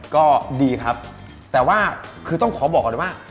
ก็ดีครับแต่ว่าคือต้องขอบอกก่อนเลยว่า